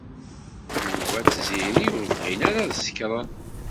Yuba d Tiziri ur bɣin ara ad sekṛen.